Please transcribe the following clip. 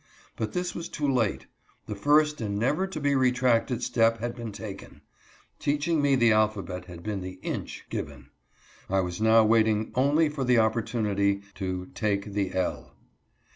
But this was too late : the first and never to be retraced step had been taken. Teaching me the alphabet had been the " inch " given, I was now waiting only for the opportunity to " take the ell."